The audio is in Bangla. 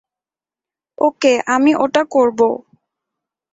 ওকে, আমি ওটা করব।